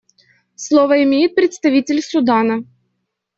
Слово имеет представитель Судана.